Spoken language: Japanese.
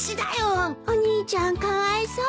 お兄ちゃんかわいそう。